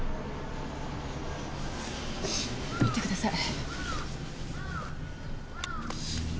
行ってください。